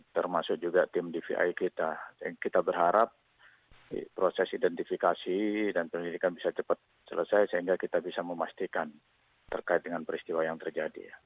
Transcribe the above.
termasuk juga tim dvi kita kita berharap proses identifikasi dan penyelidikan bisa cepat selesai sehingga kita bisa memastikan terkait dengan peristiwa yang terjadi